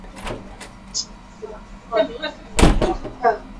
过去为福冈藩与唐津藩之间的唐津街道的宿场町而开始发展。